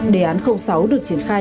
đề án sáu được triển khai